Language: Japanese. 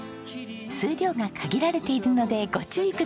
数量が限られているのでご注意ください。